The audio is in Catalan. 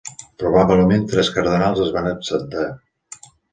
Probablement tres cardenals es van absentar.